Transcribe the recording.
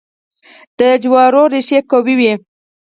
د جوارو ریښې قوي وي.